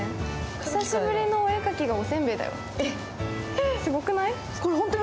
久しぶりのお絵かきがおせんべいだよ、すごくない？